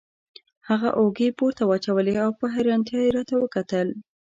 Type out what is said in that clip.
هغه اوږې پورته واچولې او په حیرانتیا یې راته وکتل.